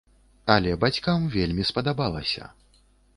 Але бацькам вельмі спадабалася.